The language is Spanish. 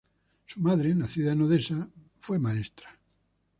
Su madre, nacida en Odessa, fue maestra.